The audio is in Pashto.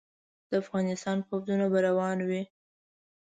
د افغانستان پوځونه به روان وي.